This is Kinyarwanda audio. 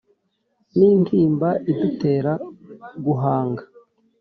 Ni intimba idutera guhanga